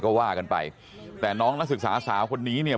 ก็ว่ากันไปแต่น้องนักศึกษาสาวคนนี้เนี่ย